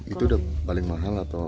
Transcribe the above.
itu udah paling mahal atau